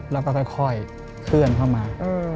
แล้วก็ค่อยเคลื่อนเข้ามา